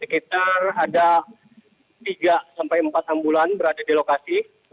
sekitar ada tiga empat ambulans berada di lokasi